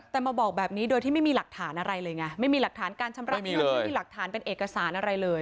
แต่มาบอกแบบนี้โดยที่ไม่มีหลักฐานอะไรเลยไงไม่มีหลักฐานการชำระหนี้ไม่มีหลักฐานเป็นเอกสารอะไรเลย